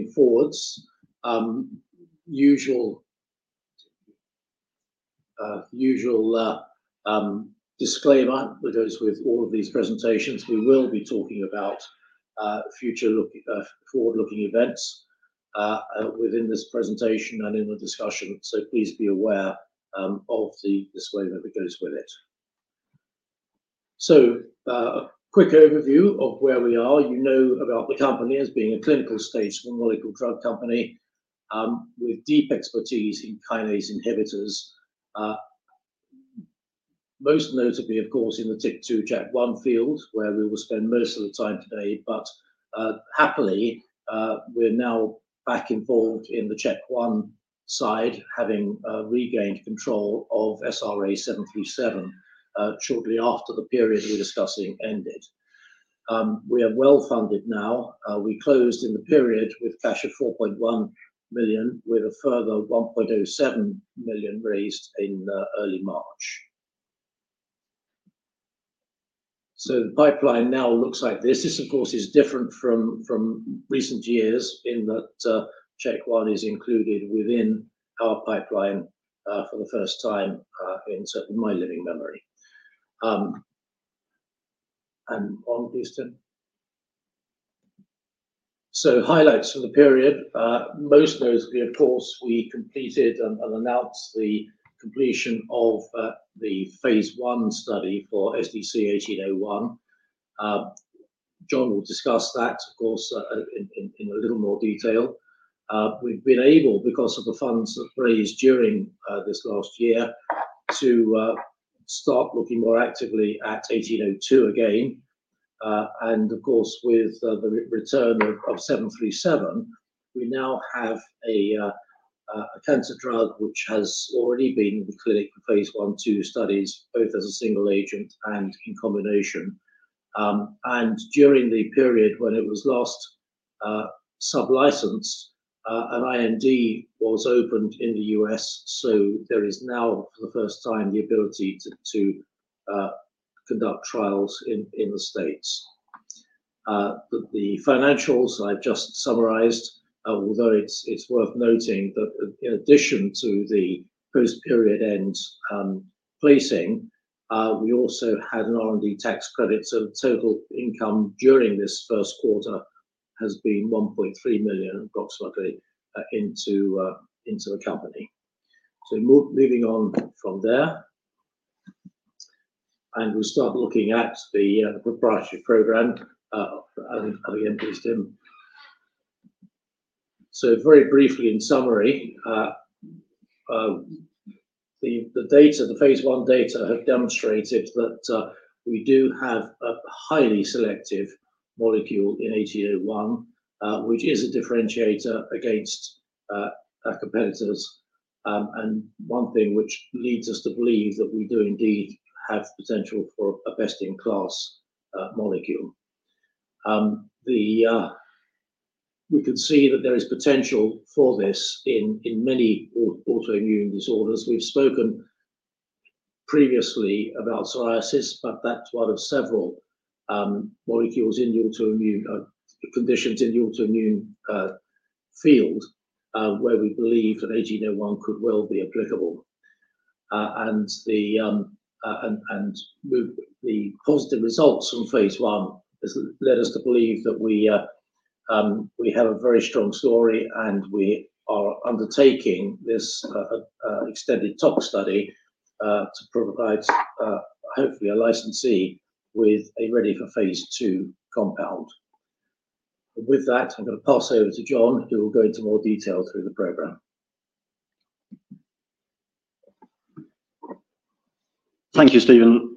Moving forwards, usual disclaimer that goes with all of these presentations: we will be talking about future-looking events within this presentation and in the discussion. Please be aware of the disclaimer that goes with it. A quick overview of where we are. You know about the company as being a clinical-stage small molecule drug company, with deep expertise in kinase inhibitors, most notably, of course, in the TYK2/CHK1 field, where we will spend most of the time today. Happily, we're now back involved in the CHK1 side, having regained control of SRA737 shortly after the period we're discussing ended. We are well funded now. We closed in the period with cash of 4.1 million, with a further 1.07 million raised in early March. The pipeline now looks like this. This, of course, is different from recent years in that Check One is included within our pipeline for the first time in my living memory. Please, Tim. Highlights from the period, most notably, of course, we completed and announced the completion of the phase I study for SDC-1801. John will discuss that, of course, in a little more detail. We've been able, because of the funds that raised during this last year, to start looking more actively at 1802 again. Of course, with the return of 737, we now have a cancer drug which has already been in the clinic for phase I to studies, both as a single agent and in combination. During the period when it was last sublicensed, an IND was opened in the U.S. There is now, for the first time, the ability to conduct trials in the States. The financials I've just summarized, although it's worth noting that in addition to the post-period end placing, we also had an R&D tax credit. The total income during this first quarter has been 1.3 million, approximately, into the company. Moving on from there, and we'll start looking at the proprietary program. And again, please, Tim. Very briefly, in summary, the data, the phase I data have demonstrated that we do have a highly selective molecule in 1801, which is a differentiator against our competitors. One thing which leads us to believe that we do indeed have potential for a best-in-class molecule. We can see that there is potential for this in many autoimmune disorders. We've spoken previously about psoriasis, but that's one of several molecules in the autoimmune conditions in the autoimmune field, where we believe that 1801 could well be applicable. The positive results from phase I has led us to believe that we have a very strong story, and we are undertaking this extended top study to provide, hopefully, a licensee with a ready for phase II compound. With that, I'm gonna pass over to John, who will go into more detail through the program. Thank you, Stephen.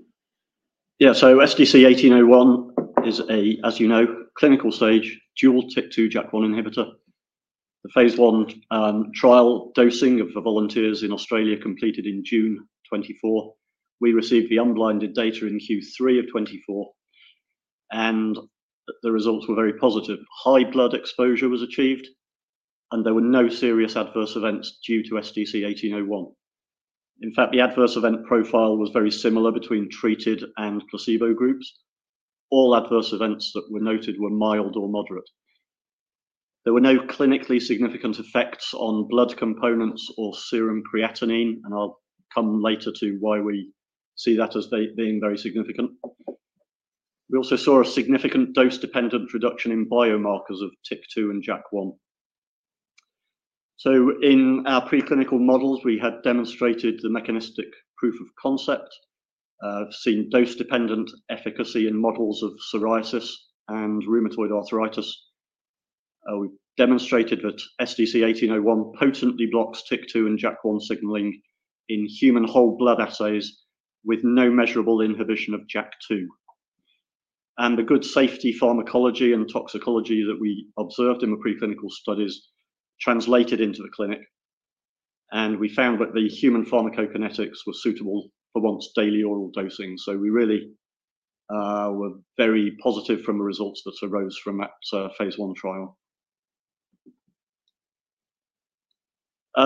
Yeah, so SDC-1801 is a, as you know, clinical stage dual TYK2 JAK1 inhibitor. The phase I trial dosing of the volunteers in Australia completed in June 2024. We received the unblinded data in Q3 of 2024, and the results were very positive. High blood exposure was achieved, and there were no serious adverse events due to SDC-1801. In fact, the adverse event profile was very similar between treated and placebo groups. All adverse events that were noted were mild or moderate. There were no clinically significant effects on blood components or serum creatinine, and I'll come later to why we see that as being very significant. We also saw a significant dose-dependent reduction in biomarkers of TYK2 and JAK1. In our preclinical models, we had demonstrated the mechanistic proof of concept, seen dose-dependent efficacy in models of psoriasis and rheumatoid arthritis. We demonstrated that SDC-1801 potently blocks TYK2 and JAK1 signaling in human whole blood assays with no measurable inhibition of JAK2. The good safety pharmacology and toxicology that we observed in the preclinical studies translated into the clinic, and we found that the human pharmacokinetics were suitable for once daily oral dosing. We really were very positive from the results that arose from that phase I trial.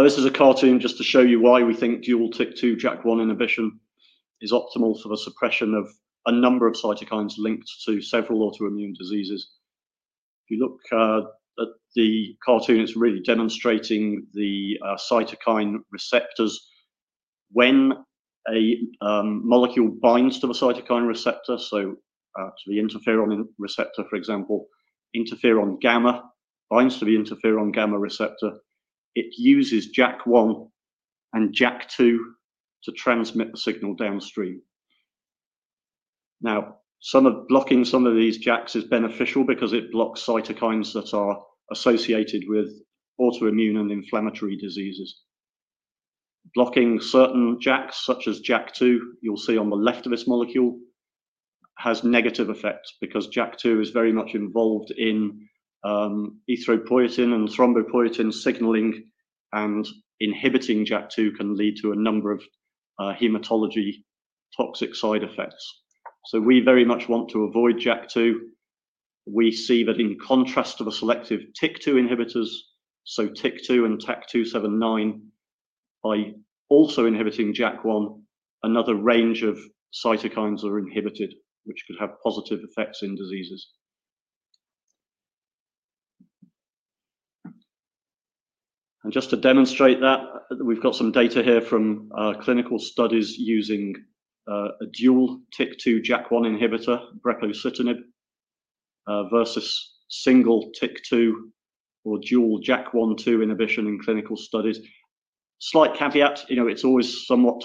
This is a cartoon just to show you why we think dual TYK2 JAK1 inhibition is optimal for the suppression of a number of cytokines linked to several autoimmune diseases. If you look at the cartoon, it is really demonstrating the cytokine receptors. When a molecule binds to the cytokine receptor, to the interferon receptor, for example, interferon gamma binds to the interferon gamma receptor, it uses JAK1 and JAK2 to transmit the signal downstream. Now, blocking some of these JAKs is beneficial because it blocks cytokines that are associated with autoimmune and inflammatory diseases. Blocking certain JAKs, such as JAK2, you'll see on the left of this molecule, has negative effects because JAK2 is very much involved in erythropoietin and thrombopoietin signaling, and inhibiting JAK2 can lead to a number of hematology toxic side effects. We very much want to avoid JAK2. We see that in contrast to the selective TYK2 inhibitors, so TYK2 and TAK-279, by also inhibiting JAK1, another range of cytokines are inhibited, which could have positive effects in diseases. Just to demonstrate that, we've got some data here from clinical studies using a dual TYK2 JAK1 inhibitor, Brepocitinib, versus single TYK2 or dual JAK1 JAK2 inhibition in clinical studies. Slight caveat, you know, it's always somewhat,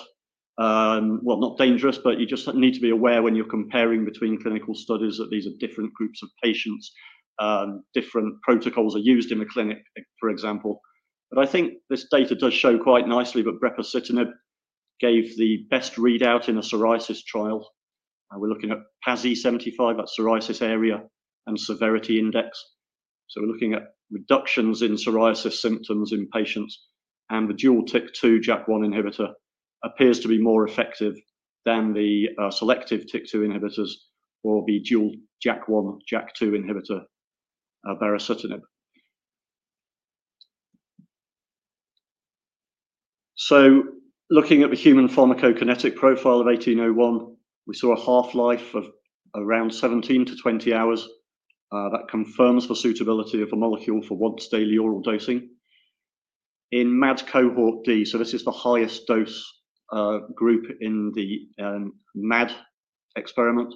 well, not dangerous, but you just need to be aware when you're comparing between clinical studies that these are different groups of patients, different protocols are used in the clinic, for example. I think this data does show quite nicely that Brepocitinib gave the best readout in a psoriasis trial. We're looking at PASI 75, that psoriasis area and severity index. We're looking at reductions in psoriasis symptoms in patients, and the dual TYK2 JAK1 inhibitor appears to be more effective than the selective TYK2 inhibitors or the dual JAK1 JAK2 inhibitor, Baricitinib. Looking at the human pharmacokinetic profile of 1801, we saw a half-life of around 17-20 hours, that confirms the suitability of a molecule for once daily oral dosing. In MAD cohort D, this is the highest dose group in the MAD experiment,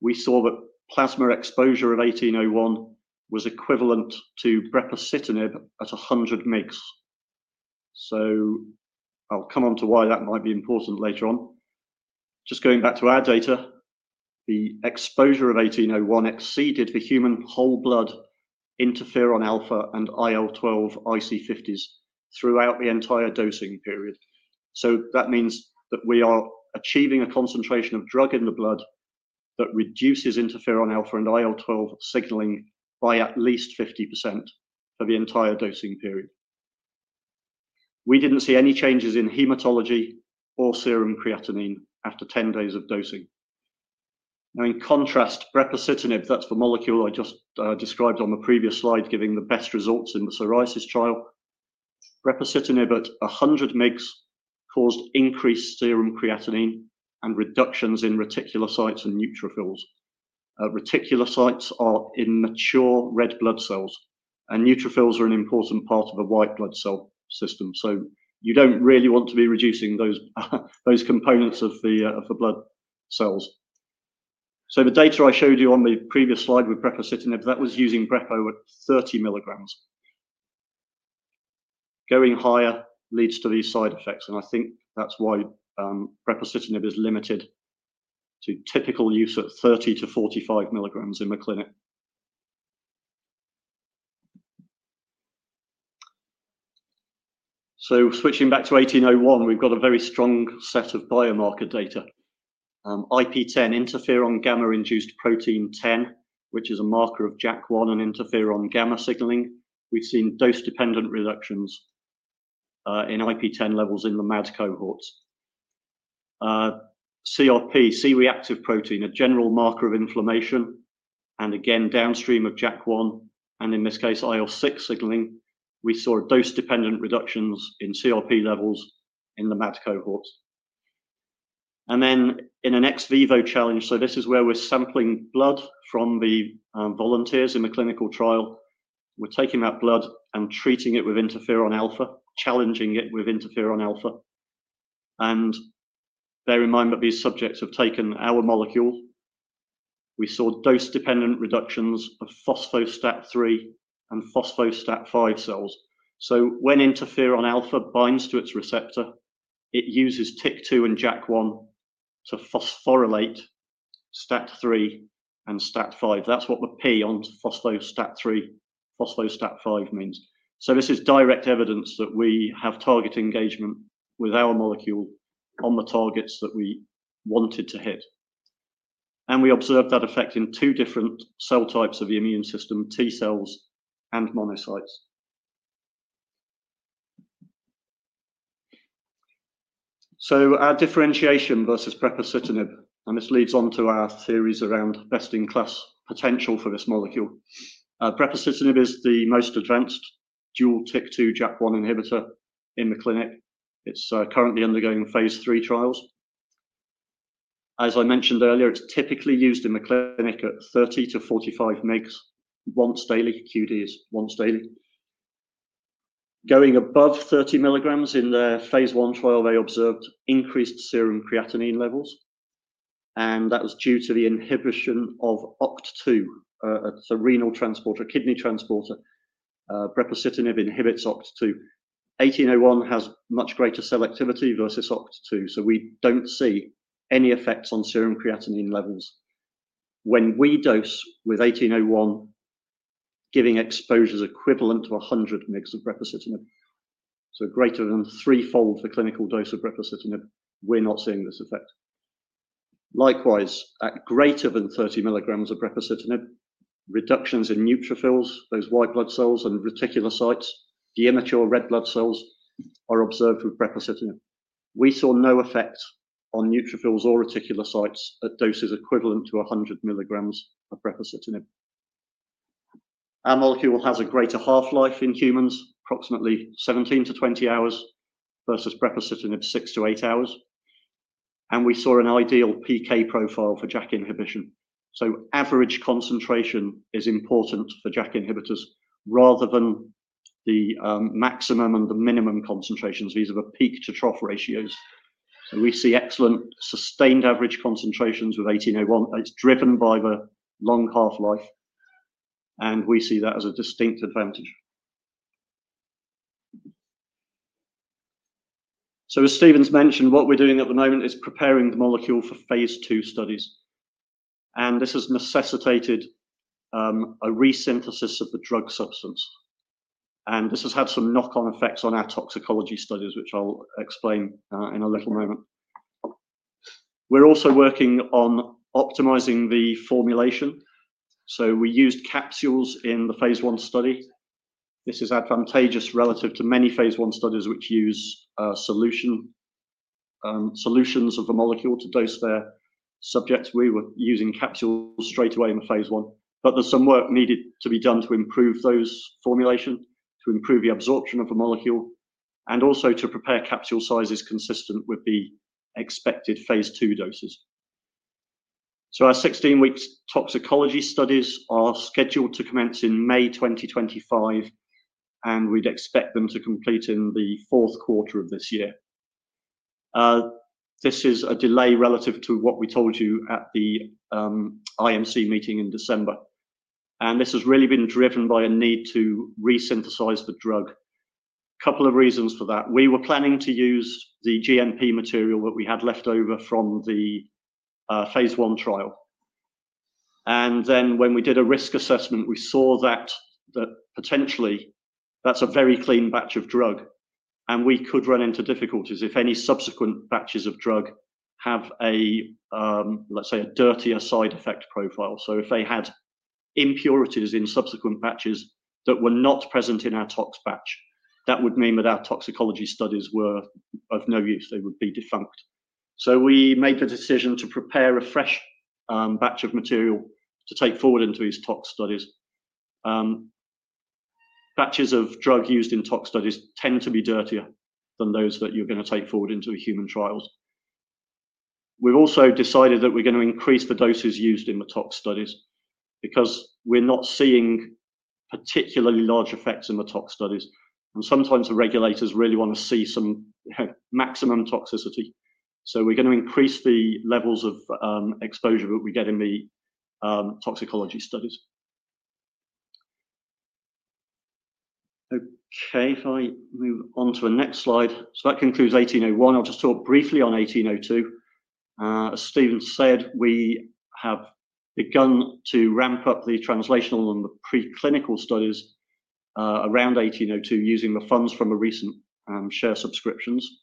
we saw that plasma exposure of 1801 was equivalent to Brepocitinib at 100 mEqs. I'll come on to why that might be important later on. Just going back to our data, the exposure of 1801 exceeded the human whole blood interferon alpha and IL-12 IC50s throughout the entire dosing period. That means that we are achieving a concentration of drug in the blood that reduces interferon alpha and IL-12 signaling by at least 50% for the entire dosing period. We didn't see any changes in hematology or serum creatinine after 10 days of dosing. Now, in contrast, Brepocitinib, that's the molecule I just described on the previous slide, giving the best results in the psoriasis trial. Brepocitinib at 100 mEqs caused increased serum creatinine and reductions in reticulocytes and neutrophils. Reticulocytes are immature red blood cells, and neutrophils are an important part of a white blood cell system. You don't really want to be reducing those, those components of the blood cells. The data I showed you on the previous slide with Brepocitinib, that was using Brepo at 30 milligrams. Going higher leads to these side effects, and I think that's why Brepocitinib is limited to typical use at 30-45 milligrams in the clinic. Switching back to 1801, we've got a very strong set of biomarker data. IP-10, interferon gamma-induced protein 10, which is a marker of JAK1 and interferon gamma signaling. We've seen dose-dependent reductions in IP-10 levels in the MAD cohorts. CRP, C-reactive protein, a general marker of inflammation, and again, downstream of JAK1, and in this case, IL-6 signaling, we saw dose-dependent reductions in CRP levels in the MAD cohorts. In an ex vivo challenge, this is where we're sampling blood from the volunteers in the clinical trial. We're taking that blood and treating it with interferon alpha, challenging it with interferon alpha. Bear in mind that these subjects have taken our molecule. We saw dose-dependent reductions of phospho-STAT3 and phospho-STAT5 cells. When interferon alpha binds to its receptor, it uses TYK2 and JAK1 to phosphorylate STAT3 and STAT5. That's what the P on phospho-STAT3, phospho-STAT5 means. This is direct evidence that we have target engagement with our molecule on the targets that we wanted to hit. We observed that effect in two different cell types of the immune system, T cells and monocytes. Our differentiation versus Breclocitinib, and this leads onto our theories around best-in-class potential for this molecule. Breclocitinib is the most advanced dual TYK2 JAK1 inhibitor in the clinic. It's currently undergoing phase III trials. As I mentioned earlier, it's typically used in the clinic at 30-45 mg, once daily, QD, once daily. Going above 30 mg in the phase I trial, they observed increased serum creatinine levels, and that was due to the inhibition of OCT2, it's a renal transporter, kidney transporter. Breclocitinib inhibits OCT2. 1801 has much greater selectivity versus OCT2, so we do not see any effects on serum creatinine levels when we dose with 1801, giving exposures equivalent to 100 mEqs of Brepocitinib. Greater than threefold the clinical dose of Brepocitinib, we are not seeing this effect. Likewise, at greater than 30 milligrams of Brepocitinib, reductions in neutrophils, those white blood cells, and reticulocytes, the immature red blood cells, are observed with Brepocitinib. We saw no effect on neutrophils or reticulocytes at doses equivalent to 100 milligrams of Brepocitinib. Our molecule has a greater half-life in humans, approximately 17-20 hours versus Brepocitinib, six to eight hours. We saw an ideal PK profile for JAK inhibition. Average concentration is important for JAK inhibitors rather than the maximum and the minimum concentrations. These are the peak to trough ratios. We see excellent sustained average concentrations with 1801. It's driven by the long half-life, and we see that as a distinct advantage. As Stephen's mentioned, what we're doing at the moment is preparing the molecule for phase two studies, and this has necessitated a resynthesis of the drug substance. This has had some knock-on effects on our toxicology studies, which I'll explain in a little moment. We're also working on optimizing the formulation. We used capsules in the phase one study. This is advantageous relative to many phase one studies which use solutions of the molecule to dose their subjects. We were using capsules straight away in the phase one, but there's some work needed to be done to improve those formulation, to improve the absorption of the molecule, and also to prepare capsule sizes consistent with the expected phase two doses. Our 16-week toxicology studies are scheduled to commence in May 2025, and we'd expect them to complete in the fourth quarter of this year. This is a delay relative to what we told you at the IMC meeting in December, and this has really been driven by a need to resynthesize the drug. A couple of reasons for that. We were planning to use the GMP material that we had left over from the phase I trial. When we did a risk assessment, we saw that potentially that's a very clean batch of drug, and we could run into difficulties if any subsequent batches of drug have a, let's say, a dirtier side effect profile. If they had impurities in subsequent batches that were not present in our tox batch, that would mean that our toxicology studies were of no use. They would be defunct. We made the decision to prepare a fresh batch of material to take forward into these tox studies. Batches of drug used in tox studies tend to be dirtier than those that you're gonna take forward into the human trials. We've also decided that we're gonna increase the doses used in the tox studies because we're not seeing particularly large effects in the tox studies. Sometimes the regulators really wanna see some, you know, maximum toxicity. We're gonna increase the levels of exposure that we get in the toxicology studies. If I move on to the next slide. That concludes 1801. I'll just talk briefly on 1802. As Stephen said, we have begun to ramp up the translational and the preclinical studies around 1802 using the funds from a recent share subscriptions.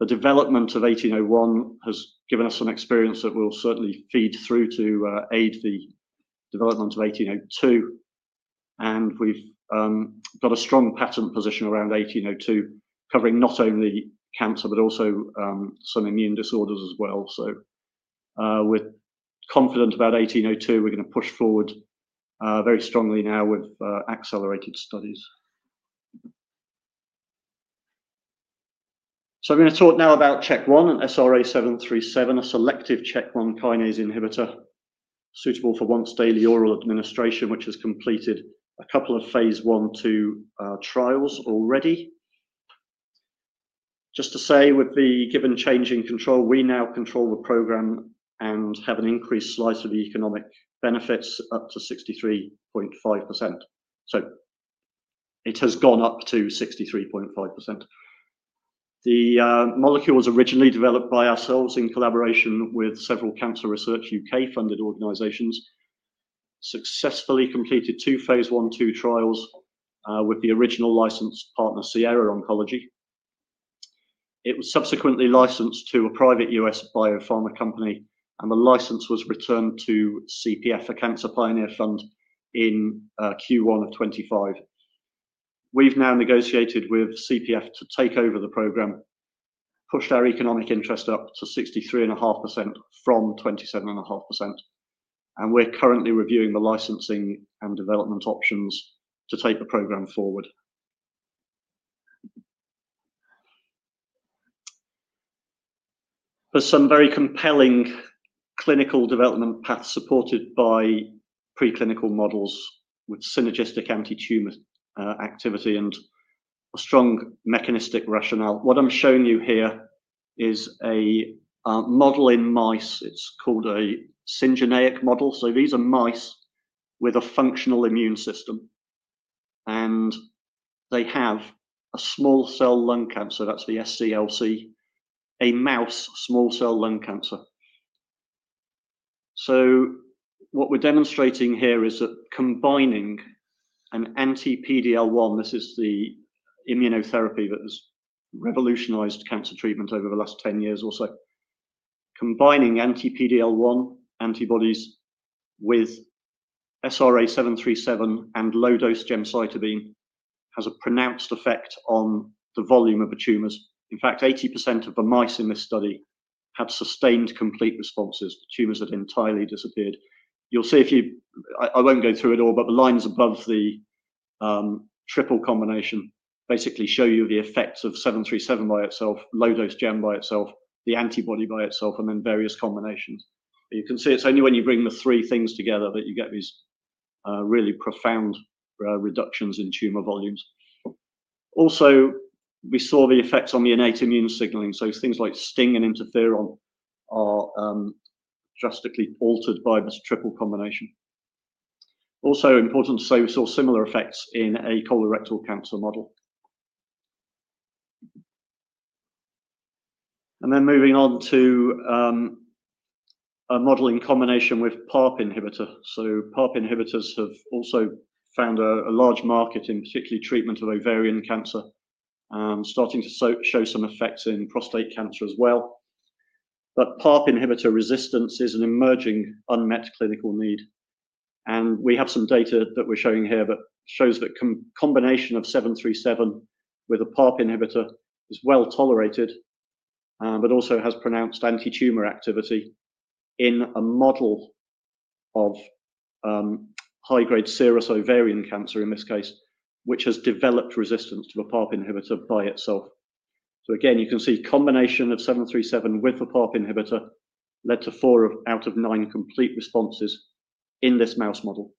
The development of 1801 has given us some experience that will certainly feed through to, aid the development of 1802. And we've got a strong patent position around 1802, covering not only cancer but also, some immune disorders as well. So, we're confident about 1802. We're gonna push forward, very strongly now with, accelerated studies. I'm gonna talk now about CHK1 and SRA737, a selective CHK1 kinase inhibitor suitable for once daily oral administration, which has completed a couple of phase I to II trials already. Just to say, with the given change in control, we now control the program and have an increased slice of the economic benefits up to 63.5%. It has gone up to 63.5%. The molecule was originally developed by ourselves in collaboration with several Cancer Research UK-funded organizations, successfully completed two phase I II trials, with the original license partner, Sierra Oncology. It was subsequently licensed to a private U.S. biopharma company, and the license was returned to CPF, a Cancer Pioneer Fund, in Q1 of 2025. We've now negotiated with CPF to take over the program, pushed our economic interest up to 63.5% from 27.5%, and we're currently reviewing the licensing and development options to take the program forward. There is some very compelling clinical development path supported by preclinical models with synergistic anti-tumor activity and a strong mechanistic rationale. What I'm showing you here is a model in mice. It's called a syngeneic model. These are mice with a functional immune system, and they have a small cell lung cancer. That's the SCLC, a mouse small cell lung cancer. What we're demonstrating here is that combining an anti-PDL1, this is the immunotherapy that has revolutionized cancer treatment over the last 10 years or so, combining anti-PDL1 antibodies with SRA737 and low-dose gemcitabine has a pronounced effect on the volume of the tumors. In fact, 80% of the mice in this study had sustained complete responses. The tumors had entirely disappeared. You'll see if you, I won't go through it all, but the lines above the triple combination basically show you the effects of 737 by itself, low-dose gem by itself, the antibody by itself, and then various combinations. You can see it's only when you bring the three things together that you get these really profound reductions in tumor volumes. Also, we saw the effects on the innate immune signaling. Things like STING and interferon are drastically altered by this triple combination. Also, important to say, we saw similar effects in a colorectal cancer model. Moving on to a model in combination with PARP inhibitor. PARP inhibitors have also found a large market in particularly treatment of ovarian cancer, starting to show some effects in prostate cancer as well. PARP inhibitor resistance is an emerging unmet clinical need, and we have some data that we're showing here that shows that combination of 737 with a PARP inhibitor is well tolerated, but also has pronounced anti-tumor activity in a model of high-grade serous ovarian cancer in this case, which has developed resistance to a PARP inhibitor by itself. You can see combination of 737 with a PARP inhibitor led to four out of nine complete responses in this mouse model.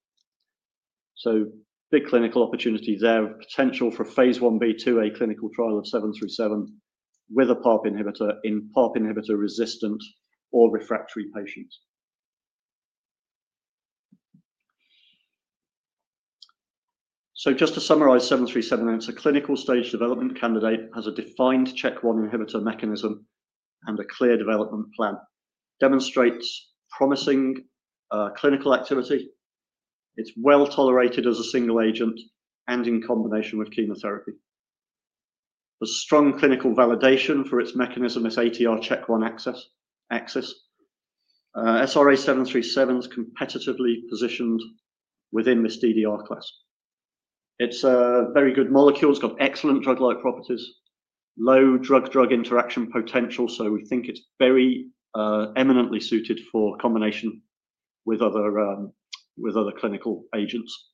Big clinical opportunity there, potential for phase one B2A clinical trial of 737 with a PARP inhibitor in PARP inhibitor resistant or refractory patients. Just to summarize 737, it's a clinical stage development candidate, has a defined CHK1 inhibitor mechanism, and a clear development plan. Demonstrates promising clinical activity. It's well tolerated as a single agent and in combination with chemotherapy. There's strong clinical validation for its mechanism, its ATR CHK1 axis. SRA737's competitively positioned within this DDR class. It's a very good molecule. It's got excellent drug-like properties, low drug-drug interaction potential. We think it's very, eminently suited for combination with other clinical agents.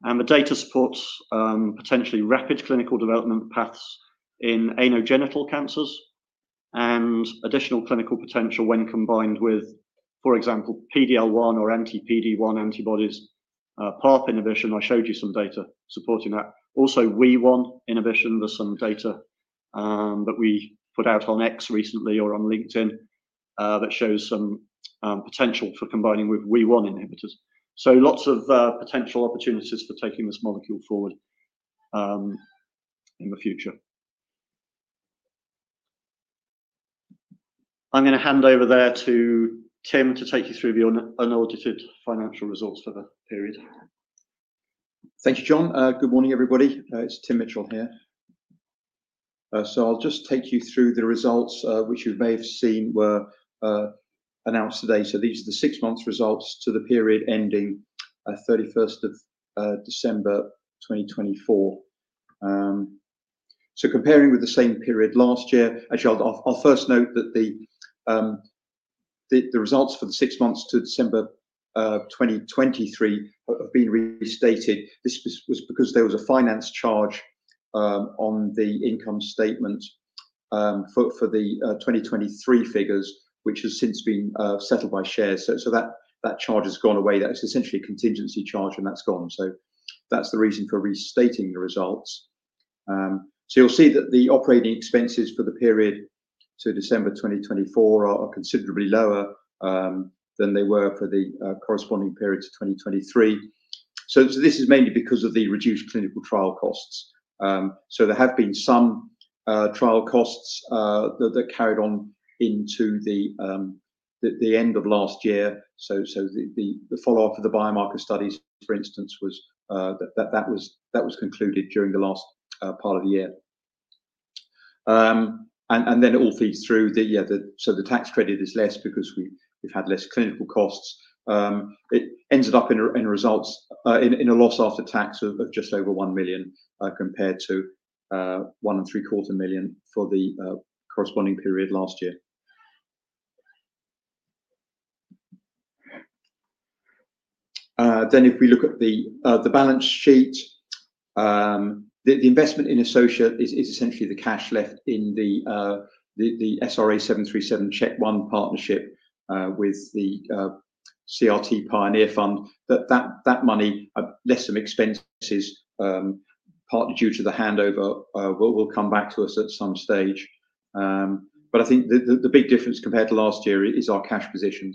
The data supports potentially rapid clinical development paths in anogenital cancers and additional clinical potential when combined with, for example, PD-L1 or anti-PD1 antibodies. PARP inhibition, I showed you some data supporting that. Also, Wee1 inhibition, there's some data that we put out on X recently or on LinkedIn that shows some potential for combining with Wee1 inhibitors. Lots of potential opportunities for taking this molecule forward in the future. I'm gonna hand over there to Tim to take you through the unaudited financial results for the period. Thank you, John. Good morning, everybody. It's Tim Mitchell here. I'll just take you through the results, which you may have seen were announced today. These are the six months results to the period ending 31st of December 2024. Comparing with the same period last year, actually, I'll first note that the results for the six months to December 2023 have been restated. This was because there was a finance charge on the income statement for the 2023 figures, which has since been settled by shares. That charge has gone away. That's essentially a contingency charge, and that's gone. That's the reason for restating the results. You'll see that the operating expenses for the period to December 2024 are considerably lower than they were for the corresponding period to 2023. This is mainly because of the reduced clinical trial costs. There have been some trial costs that carried on into the end of last year. The follow-up of the biomarker studies, for instance, was concluded during the last part of the year. It all feeds through. The tax credit is less because we've had less clinical costs. It ended up in a, in results, in, in a loss after tax of, of just over 1 million, compared to, one and three quarter million for the, corresponding period last year. If we look at the, the balance sheet, the, the investment in associate is, is essentially the cash left in the, the, the SRA737 CHK1 partnership, with the, CRT Pioneer Fund. That, that, that money, less some expenses, partly due to the handover, will, will come back to us at some stage. I think the, the, the big difference compared to last year is our cash position.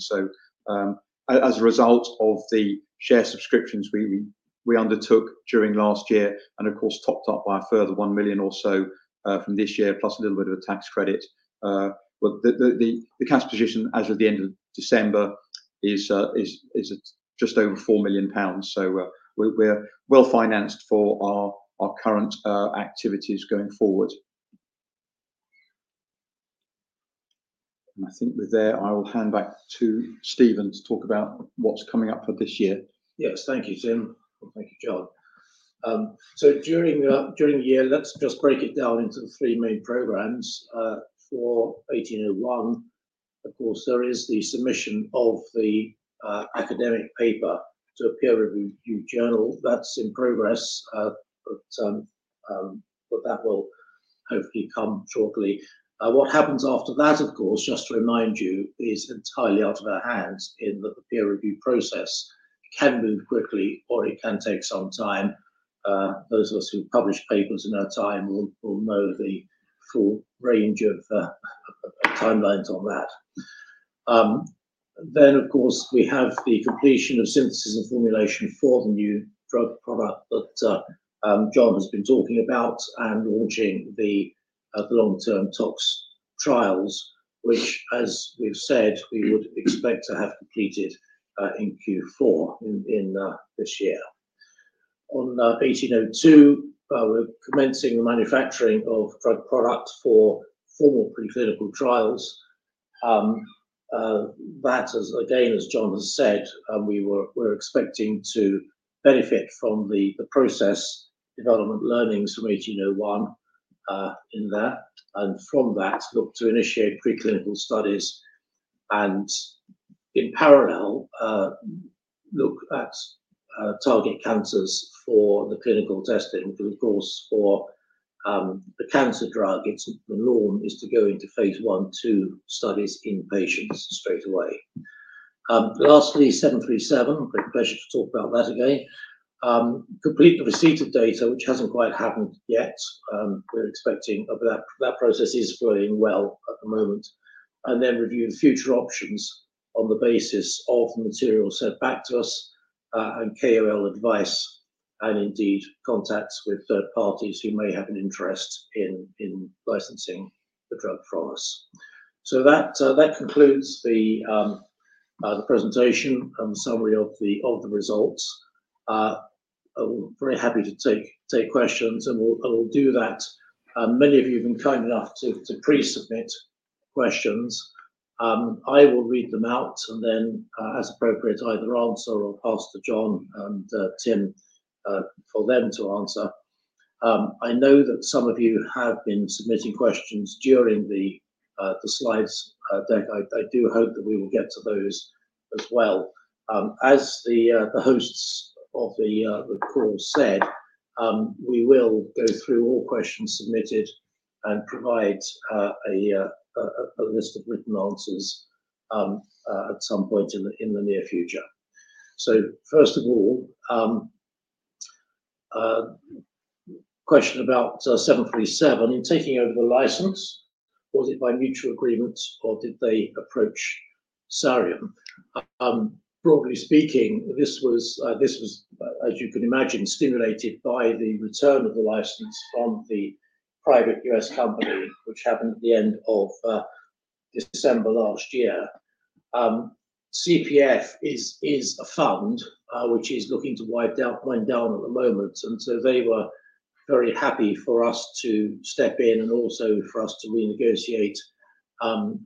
As a result of the share subscriptions we, we, we undertook during last year and of course topped up by a further 1 million or so, from this year, plus a little bit of a tax credit. The cash position as of the end of December is just over 4 million pounds. We are well financed for our current activities going forward. I think we are there. I will hand back to Stephen to talk about what is coming up for this year. Yes, thank you, Tim. Thank you, John. During the year, let's just break it down into the three main programs. For 1801, of course, there is the submission of the academic paper to a peer review journal. That is in progress, but that will hopefully come shortly. What happens after that, of course, just to remind you, is entirely out of our hands in that the peer review process can move quickly or it can take some time. Those of us who publish papers in our time will know the full range of timelines on that. Then of course we have the completion of synthesis and formulation for the new drug product that John has been talking about and launching the long-term tox trials, which as we've said, we would expect to have completed in Q4 in this year. On 1802, we're commencing the manufacturing of drug product for formal preclinical trials. That is again, as John has said, we were expecting to benefit from the process development learnings from 1801 in that, and from that look to initiate preclinical studies and in parallel, look at target cancers for the clinical testing. Because of course, for the cancer drug, the norm is to go into phase I/II studies in patients straight away. Lastly, 737, great pleasure to talk about that again. Complete the receipt of data, which hasn't quite happened yet. We're expecting that, that process is flowing well at the moment. Review the future options on the basis of the material sent back to us, and KOL advice and indeed contacts with third parties who may have an interest in licensing the drug from us. That concludes the presentation and the summary of the results. I'm very happy to take questions and we'll do that. Many of you have been kind enough to pre-submit questions. I will read them out and then, as appropriate, either answer or pass to John and Tim for them to answer. I know that some of you have been submitting questions during the slides deck. I do hope that we will get to those as well. As the hosts of the call said, we will go through all questions submitted and provide a list of written answers at some point in the near future. First of all, question about 737, in taking over the license, was it by mutual agreement or did they approach Sareum? Broadly speaking, this was, as you can imagine, stimulated by the return of the license from the private U.S. company, which happened at the end of December last year. CPF is a fund which is looking to wind down at the moment, and they were very happy for us to step in and also for us to renegotiate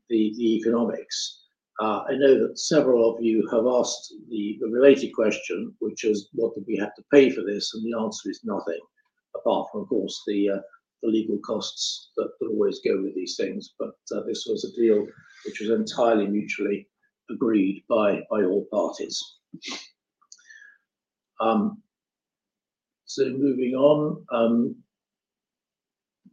the economics. I know that several of you have asked the related question, which is, what did we have to pay for this? The answer is nothing apart from, of course, the legal costs that always go with these things. This was a deal which was entirely mutually agreed by all parties. Moving on,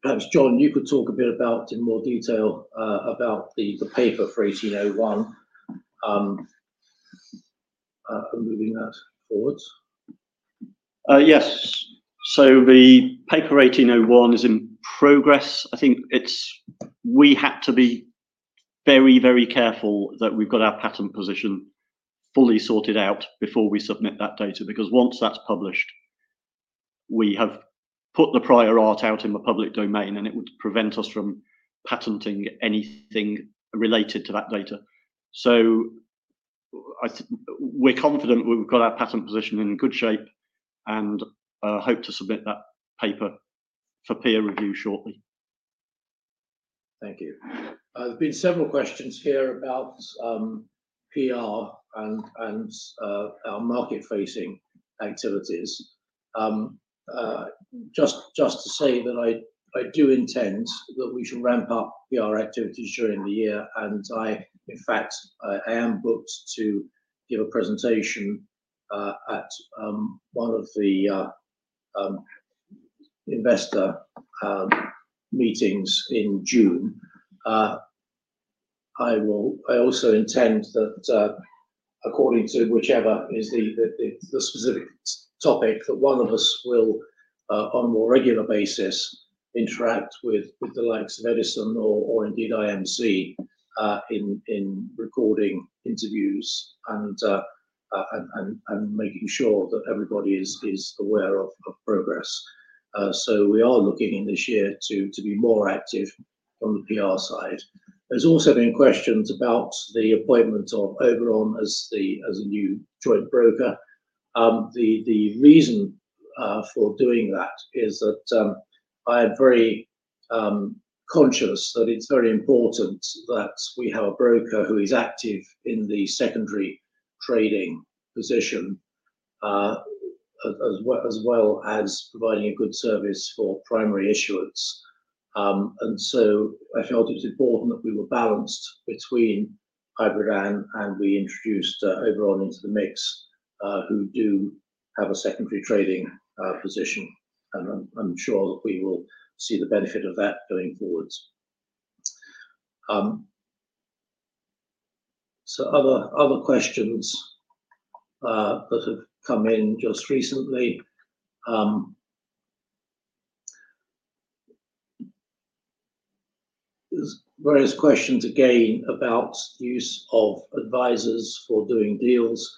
perhaps John, you could talk a bit in more detail about the paper for 1801, moving that forwards. Yes. The paper 1801 is in progress. I think we had to be very, very careful that we've got our patent position fully sorted out before we submit that data. Because once that's published, we have put the prior art out in the public domain and it would prevent us from patenting anything related to that data. I think we're confident we've got our patent position in good shape and hope to submit that paper for peer review shortly. Thank you. There have been several questions here about PR and our market-facing activities. Just to say that I do intend that we should ramp up PR activities during the year. In fact, I am booked to give a presentation at one of the investor meetings in June. I also intend that, according to whichever is the specific topic, one of us will on a more regular basis interact with the likes of Edison or indeed IMC in recording interviews and making sure that everybody is aware of progress. We are looking in this year to be more active on the PR side. have also been questions about the appointment of Oberon as a new joint broker. The reason for doing that is that I am very conscious that it is very important that we have a broker who is active in the secondary trading position, as well as providing a good service for primary issuance. I felt it was important that we were balanced between Hybridan and we introduced Oberon into the mix, who do have a secondary trading position. I am sure that we will see the benefit of that going forwards. Other questions that have come in just recently, there are various questions again about the use of advisors for doing deals.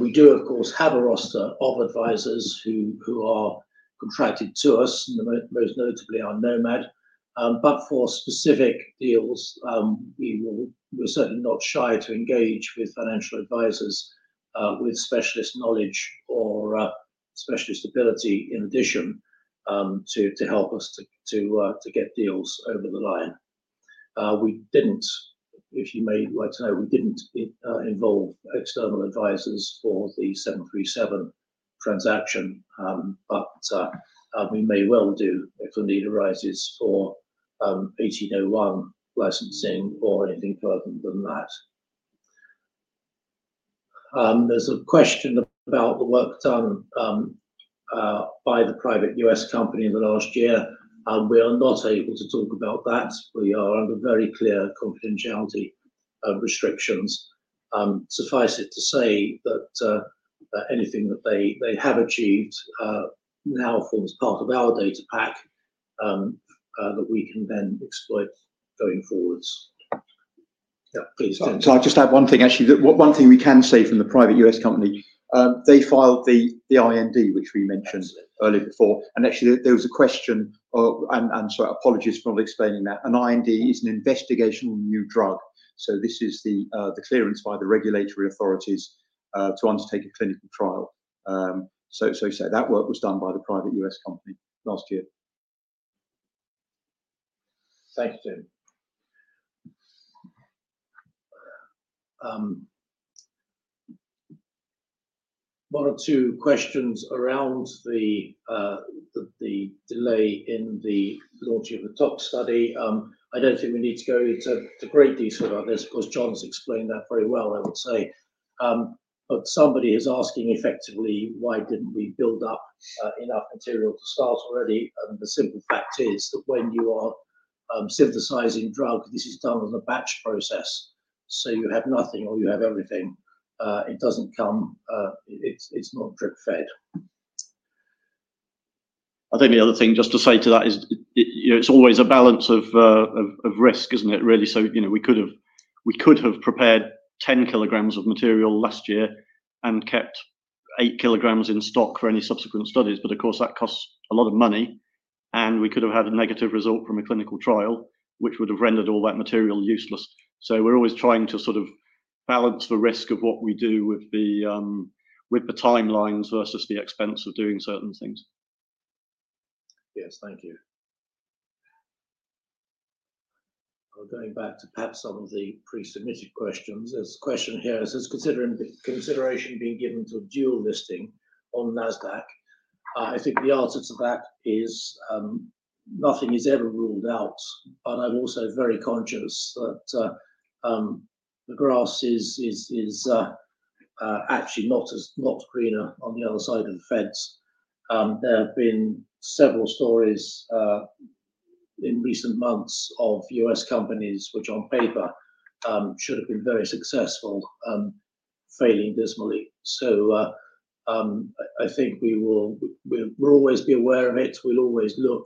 We do, of course, have a roster of advisors who are contracted to us, most notably our Nomad. For specific deals, we will, we're certainly not shy to engage with financial advisors, with specialist knowledge or specialist ability in addition to help us to get deals over the line. We didn't, if you may like to know, we didn't involve external advisors for the 737 transaction. We may well do if a need arises for 1801 licensing or anything further than that. There's a question about the work done by the private U.S. company in the last year. We are not able to talk about that. We are under very clear confidentiality restrictions. Suffice it to say that anything that they have achieved now forms part of our data pack that we can then exploit going forwards. Yeah, please. I'll just add one thing, actually. The one thing we can say from the private U.S. company, they filed the IND, which we mentioned earlier before. Actually, there was a question, and sorry, apologies for not explaining that. An IND is an investigational new drug. This is the clearance by the regulatory authorities to undertake a clinical trial. That work was done by the private U.S. company last year. Thanks, Tim. One or two questions around the delay in the launch of the top study. I do not think we need to go into great detail about this. Of course, John has explained that very well, I would say. Somebody is asking effectively, why did not we build up enough material to start already? The simple fact is that when you are synthesizing drug, this is done on a batch process. You have nothing or you have everything. It doesn't come, it's not drip fed. I think the other thing just to say to that is, you know, it's always a balance of risk, isn't it really? You know, we could have, we could have prepared 10 kilograms of material last year and kept 8 kilograms in stock for any subsequent studies. Of course that costs a lot of money and we could have had a negative result from a clinical trial, which would have rendered all that material useless. We're always trying to sort of balance the risk of what we do with the timelines versus the expense of doing certain things. Yes, thank you. I'm going back to perhaps some of the pre-submitted questions. There's a question here. It says, considering the consideration being given to a dual listing on NASDAQ, I think the answer to that is, nothing is ever ruled out. I'm also very conscious that the grass is actually not as, not greener on the other side of the fence. There have been several stories in recent months of U.S. companies, which on paper should have been very successful, failing dismally. I think we will always be aware of it. We'll always look,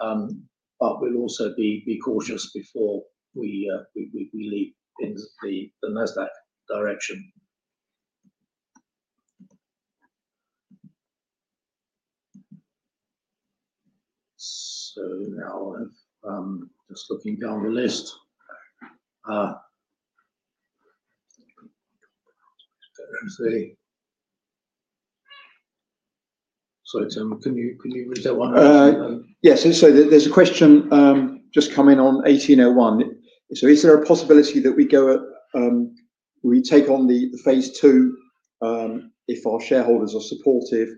but we'll also be cautious before we leap into the NASDAQ direction. Now I'll have, just looking down the list, let's see. Sorry, Tim, can you read that one? Yes. There's a question just come in on 1801. Is there a possibility that we take on the phase II if our shareholders are supportive?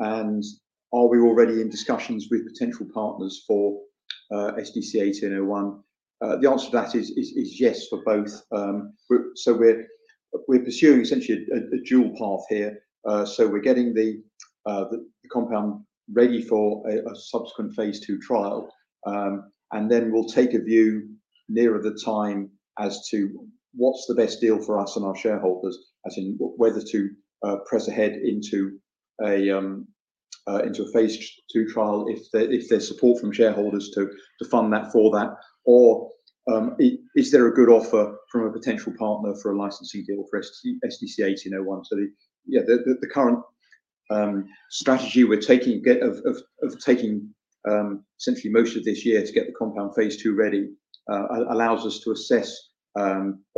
Are we already in discussions with potential partners for SDC-1801? The answer to that is yes for both. We're pursuing essentially a dual path here. We're getting the compound ready for a subsequent phase II trial, and then we'll take a view nearer the time as to what's the best deal for us and our shareholders, as in whether to press ahead into a phase II trial if there's support from shareholders to fund that. Or is there a good offer from a potential partner for a licensing deal for SDC-1801? Yeah, the current strategy we're taking of taking essentially most of this year to get the compound phase two ready allows us to assess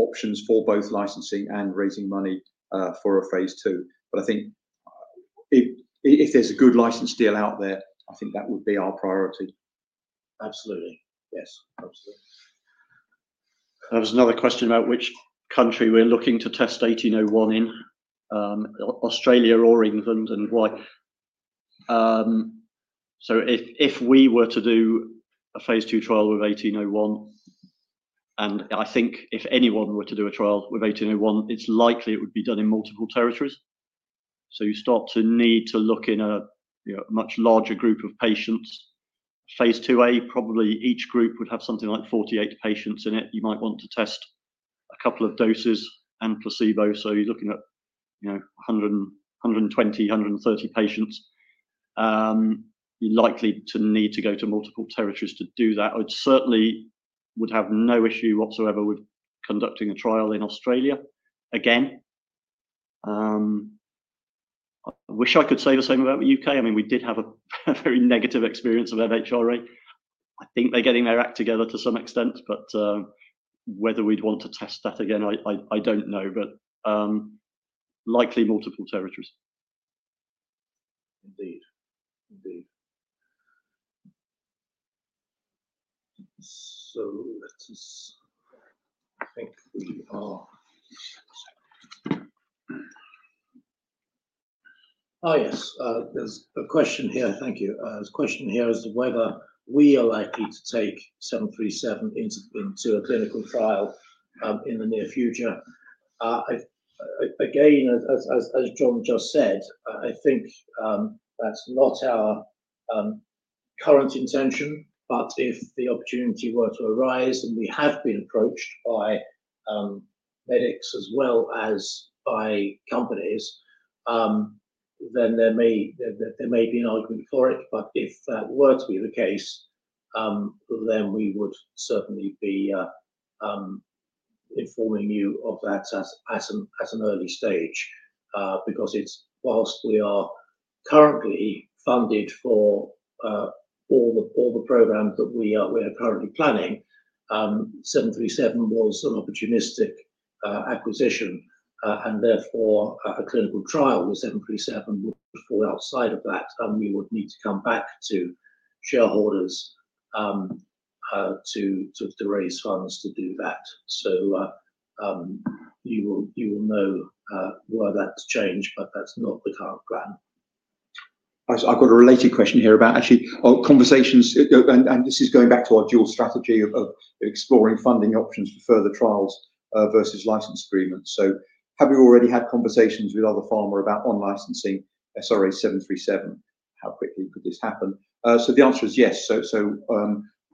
options for both licensing and raising money for a phase two. I think if there's a good license deal out there, I think that would be our priority. Absolutely. Yes, absolutely. There was another question about which country we're looking to test 1801 in, Australia or England, and why. If we were to do a phase two trial with 1801, and I think if anyone were to do a trial with 1801, it's likely it would be done in multiple territories. You start to need to look in a much larger group of patients. Phase two A, probably each group would have something like 48 patients in it. You might want to test a couple of doses and placebo. You are looking at, you know, 100 and 120, 130 patients. You are likely to need to go to multiple territories to do that. I certainly would have no issue whatsoever with conducting a trial in Australia again. I wish I could say the same about the U.K. I mean, we did have a very negative experience of MHRA. I think they are getting their act together to some extent, but whether we would want to test that again, I do not know, but likely multiple territories. Indeed, indeed. Let us, I think we are. Oh yes, there is a question here. Thank you. The question here is whether we are likely to take 737 into a clinical trial in the near future. I, again, as John just said, I think that is not our current intention. If the opportunity were to arise and we have been approached by medics as well as by companies, then there may be an argument for it. If that were to be the case, we would certainly be informing you of that at an early stage, because whilst we are currently funded for all the programs that we are currently planning, 737 was an opportunistic acquisition, and therefore a clinical trial with 737 would fall outside of that. We would need to come back to shareholders to raise funds to do that. You will know where that's changed, but that's not the current plan. I've got a related question here about actually, oh, conversations, and this is going back to our dual strategy of exploring funding options for further trials versus license agreements. Have you already had conversations with other pharma about on licensing SRA737? How quickly could this happen? The answer is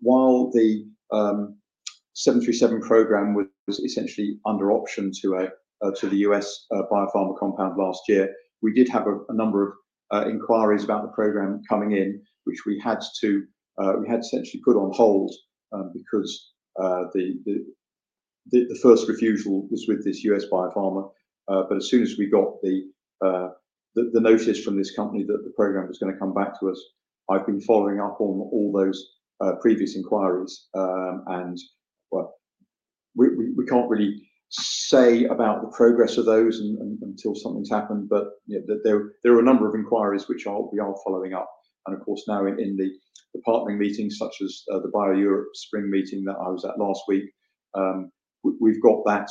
yes. While the 737 program was essentially under option to a U.S. biopharma company last year, we did have a number of inquiries about the program coming in, which we had to essentially put on hold because the first refusal was with this U.S. biopharma. As soon as we got the notice from this company that the program was going to come back to us, I've been following up on all those previous inquiries. We can't really say about the progress of those until something's happened. You know, there are a number of inquiries which we are following up. Of course, now in the partnering meetings, such as the Bio Europe Spring meeting that I was at last week, we've got that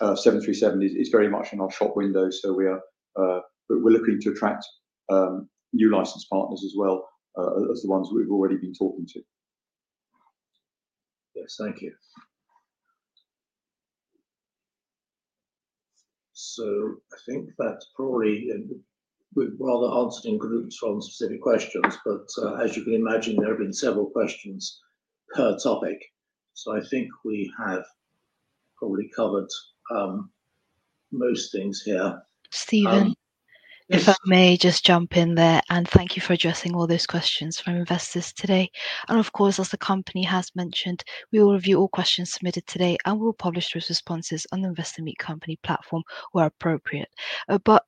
737 is very much in our shop window. We are looking to attract new license partners as well as the ones that we've already been talking to. Yes, thank you. I think that's probably, we've rather answered in groups from specific questions, but as you can imagine, there have been several questions per topic. I think we have probably covered most things here. Stephen, if I may just jump in there and thank you for addressing all those questions from investors today. Of course, as the company has mentioned, we will review all questions submitted today and we'll publish those responses on the Investor Meet Company platform where appropriate.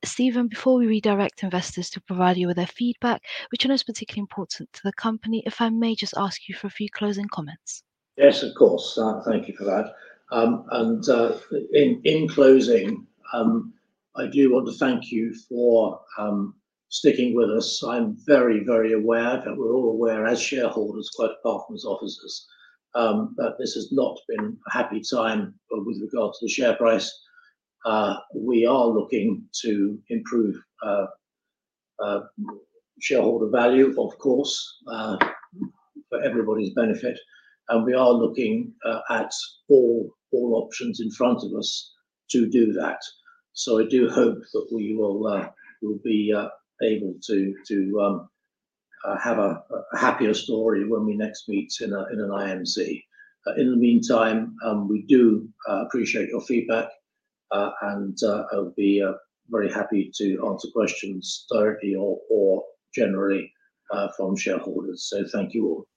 Stephen, before we redirect investors to provide you with their feedback, which I know is particularly important to the company, if I may just ask you for a few closing comments? Yes, of course. Thank you for that. In closing, I do want to thank you for sticking with us. I'm very, very aware that we're all aware as shareholders, quite apart from us officers, that this has not been a happy time with regard to the share price. We are looking to improve shareholder value, of course, for everybody's benefit. We are looking at all options in front of us to do that. I do hope that we will be able to have a happier story when we next meet in an IMC. In the meantime, we do appreciate your feedback, and I'll be very happy to answer questions directly or generally from shareholders. Thank you all.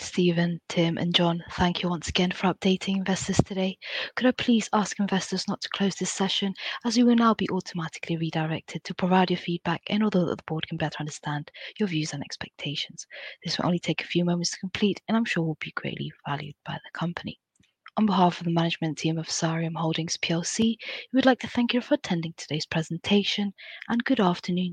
Stephen, Tim, and John, thank you once again for updating investors today. Could I please ask investors not to close this session as you will now be automatically redirected to provide your feedback in order that the board can better understand your views and expectations? This will only take a few moments to complete, and I'm sure will be greatly valued by the company. On behalf of the management team of Sareum Holdings, we would like to thank you for attending today's presentation and good afternoon.